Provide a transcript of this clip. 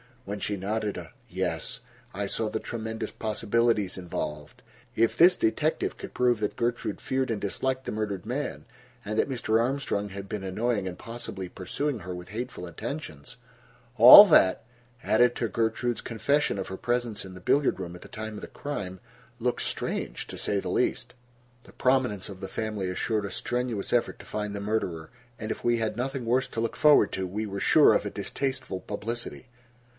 When she nodded a "yes" I saw the tremendous possibilities involved. If this detective could prove that Gertrude feared and disliked the murdered man, and that Mr. Armstrong had been annoying and possibly pursuing her with hateful attentions, all that, added to Gertrude's confession of her presence in the billiard room at the time of the crime, looked strange, to say the least. The prominence of the family assured a strenuous effort to find the murderer, and if we had nothing worse to look forward to, we were sure of a distasteful publicity.